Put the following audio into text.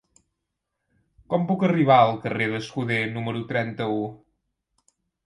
Com puc arribar al carrer d'Escuder número trenta-u?